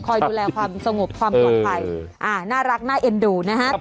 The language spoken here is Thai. ดูแลความสงบความปลอดภัยน่ารักน่าเอ็นดูนะฮะ